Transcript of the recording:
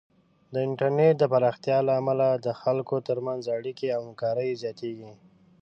د انټرنیټ د پراختیا له امله د خلکو ترمنځ اړیکې او همکاري زیاتېږي.